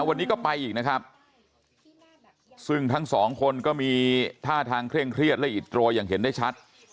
วันนี้ก็ไปอีกนะครับซึ่งทั้งสองคนก็มีท่าทางเคร่งเครียดและอิดโรยอย่างเห็นได้ชัด